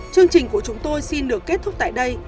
chương trình của chúng tôi xin được kết thúc tại đây